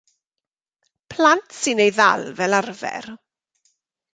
Plant sy'n ei ddal fel arfer.